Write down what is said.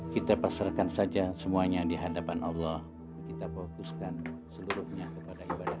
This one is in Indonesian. kita pasarkan saja semuanya di hadapan allah kita fokuskan seluruhnya kepada ibadah